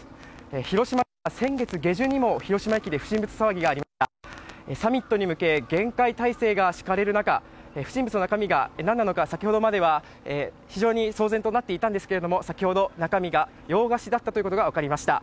広島市は先月下旬にも広島駅で不審物騒ぎがありサミットに向けて厳戒態勢が敷かれる中不審物の中身が何なのか先ほどまでは非常に騒然となっていましたが先ほど中身が洋菓子だったことが分かりました。